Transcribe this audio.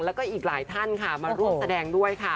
แล้วก็อีกหลายท่านค่ะมาร่วมแสดงด้วยค่ะ